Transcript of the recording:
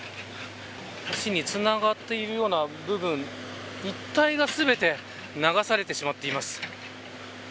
橋につながっているような部分一体が全て流されてしまっています。